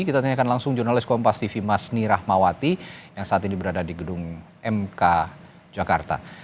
kita tanyakan langsung jurnalis kompas tv masni rahmawati yang saat ini berada di gedung mk jakarta